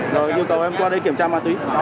rồi yêu cầu em qua đây kiểm tra ma túy